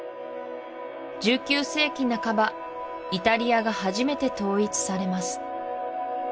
１９世紀半ばイタリアが初めて統一されます